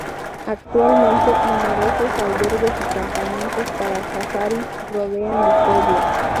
Actualmente numerosos albergues y campamentos para safaris rodean el pueblo.